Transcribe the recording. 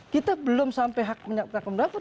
kita belum sampai hak menyatakan pendapat